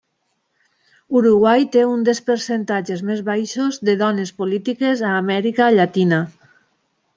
Uruguai té un dels percentatges més baixos de dones polítiques a Amèrica Llatina.